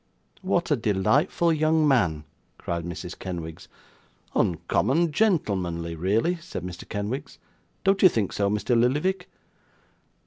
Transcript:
'What a delightful young man!' cried Mrs. Kenwigs. 'Uncommon gentlemanly, really,' said Mr. Kenwigs. 'Don't you think so, Mr Lillyvick?